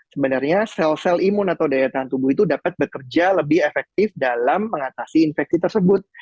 sebenarnya sel sel imun atau daya tahan tubuh itu dapat bekerja lebih efektif dalam mengatasi infeksi tersebut